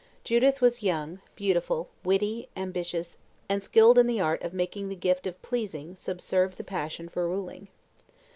Judith was young, beautiful, witty, ambitious, and skilled in the art of making the gift of pleasing subserve the passion for ruling.